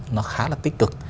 nó khá là tích cực